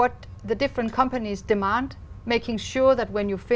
tôi đã có những bạn bạn của đan mạc ở đây